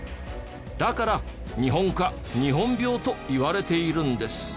だから日本化日本病といわれているんです。